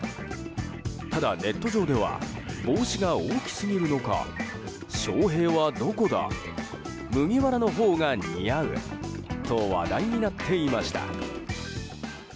ただネット上では帽子が大きすぎるのかショーヘイはどこだ麦わらのほうが似合うと話題になっていました。